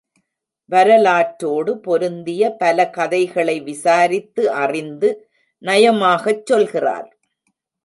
வரலாற்றோடு பொருந்திய பலகதைகளை விசாரித்து அறிந்து நயமாகச் சொல்கிறார்.